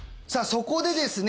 そこでですね